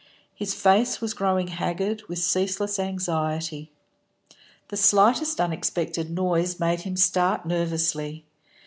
His face was growing haggard with ceaseless anxiety. The slightest unexpected noise made him start nervously.